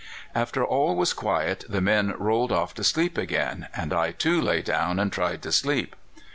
"After all was quiet the men rolled off to sleep again, and I too lay down and tried to sleep.